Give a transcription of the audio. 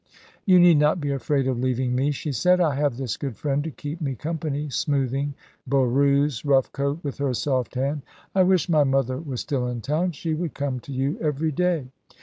"You need not be afraid of leaving me," she said. "I have this good friend to keep me company," smoothing Boroo's rough coat with her soft hand. "I wish my mother were still in town. She would come to you every day."